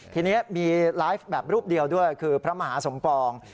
ทีนี้มีไลฟ์แบบรูปเดียวด้วยคือพระมหาสมปอง